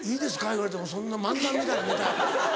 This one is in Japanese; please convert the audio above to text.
言われてもそんな漫談みたいなネタ。